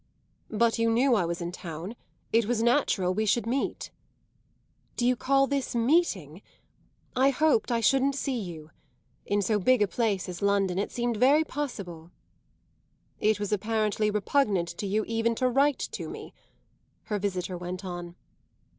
"But you knew I was in town; it was natural we should meet." "Do you call this meeting? I hoped I shouldn't see you. In so big a place as London it seemed very possible." "It was apparently repugnant to you even to write to me," her visitor went on.